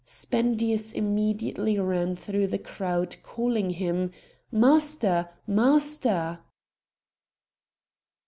Spendius immediately ran through the crowd calling him, "Master! master!"